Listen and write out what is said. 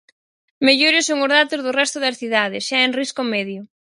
Mellores son os datos do resto das cidades, xa en risco medio.